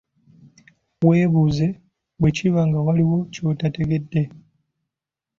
Weebuze bwe kiba nga waliwo ky'otategedde.